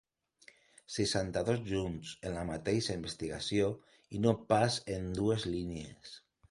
Seixanta-dos junts, en la mateixa investigació, i no pas en dues línies.